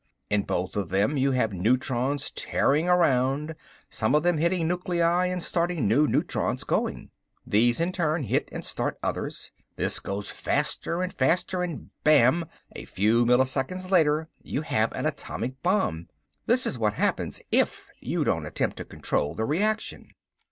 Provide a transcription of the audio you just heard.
In both of them you have neutrons tearing around, some of them hitting nuclei and starting new neutrons going. These in turn hit and start others. This goes on faster and faster and bam, a few milliseconds later you have an atomic bomb. This is what happens if you don't attempt to control the reaction.